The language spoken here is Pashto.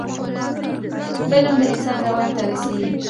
فلم د انسان روان ته رسیږي